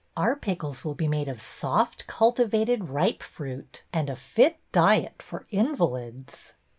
^ Our pickles will be made of soft, cultivated, ripe fruit and a fit diet for invalids.